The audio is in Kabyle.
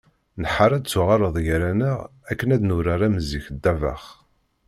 Nḥar ad d-tuɣaleḍ gar-aneɣ akken ad nurar am zik ddabex.